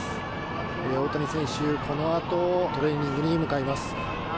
大谷選手、このあとトレーニングに向かいます。